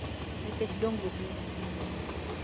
Nikech dongruok m